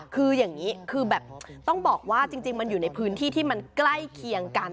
คืออย่างนี้คือแบบต้องบอกว่าจริงมันอยู่ในพื้นที่ที่มันใกล้เคียงกัน